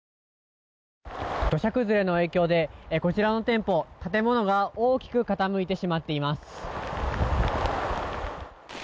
土砂崩れの影響で、こちらの店舗建物が大きく傾いてしまっています。